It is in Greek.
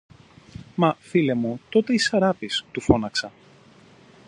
Μα, φίλε μου, τότε είσαι Αράπης! του φώναξα